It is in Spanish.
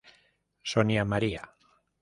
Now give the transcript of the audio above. Sonia María.